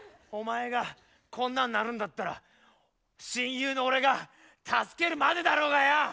お前がこんなんなるんだったら親友の俺が助けるまでだろうがよ！